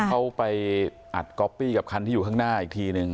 เขาไปอัดก๊อปปี้กับคันที่อยู่ข้างหน้าอีกทีนึง